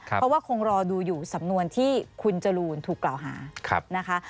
เพราะว่าคงรอดูอยู่สำนวนที่คุณจรูนถูกกล่าวหานะคะ